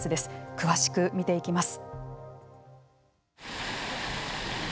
詳しく見ていきます。